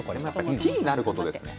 好きになることですね